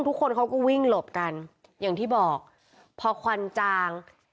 ทุกคนเขาก็วิ่งหลบกันอย่างที่บอกพอควันจาง